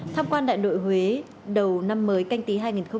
tham quan đại nội huế đầu năm mới canh tí hai nghìn hai mươi